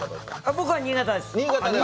僕は新潟です。